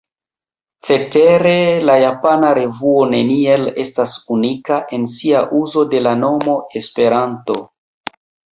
Cetere la japana revuo neniel estas unika en sia uzo de la nomo ”Esperanto”.